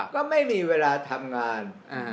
ก็ไม่มีเวลาทำงาน